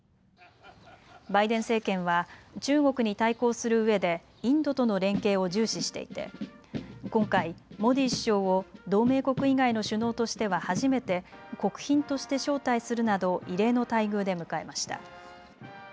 バイデン政権は中国に対抗するうえでインドとの連携を重視していて今回、モディ首相を同盟国以外の首脳としては初めて国賓として招待するなど異例の待遇で迎えました。